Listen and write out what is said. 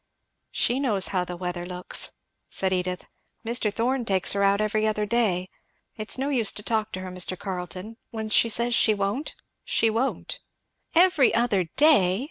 "She knows how the weather looks," said Edith, "Mr. Thorn takes her out every other day. It's no use to talk to her, Mr. Carleton, when she says she won't, she won't." "Every other day!"